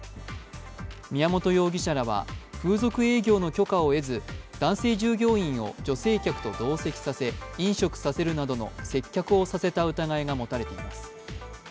宮本容疑者らは風俗営業の許可を得ず、男性従業員を女性客と同席させ、飲食させるなどの接客をさせた疑いが持たれています。